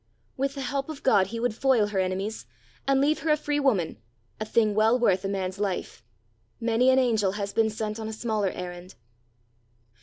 With the help of God he would foil her enemies, and leave her a free woman a thing well worth a man's life! Many an angel has been sent on a smaller errand!